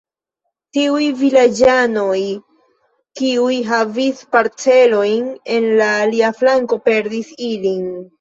Tiuj vilaĝanoj, kiuj havis parcelojn en la alia flanko, perdis ilin.